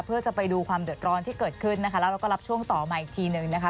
เพื่อจะไปดูความเดือดร้อนที่เกิดขึ้นนะคะ